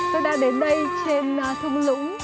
tôi đang đến đây trên thung lũng